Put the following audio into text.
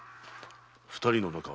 二人の仲は？